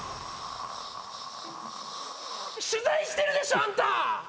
取材してるでしょあんた！